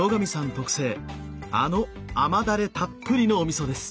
特製あのあまだれたっぷりのおみそです。